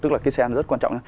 tức là cái xe này rất quan trọng